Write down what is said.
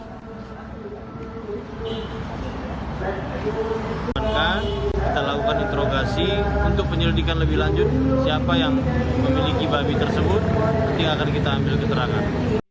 kita lakukan interogasi untuk penyelidikan lebih lanjut siapa yang memiliki babi tersebut nanti akan kita ambil keterangan